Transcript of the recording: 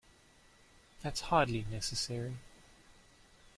That's hardly necessary.